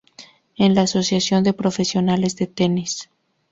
En la Asociación de Profesionales de Tenis